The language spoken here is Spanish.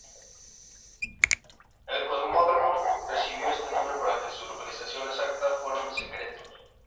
El cosmódromo recibió ese nombre para que su localización exacta fuera un secreto.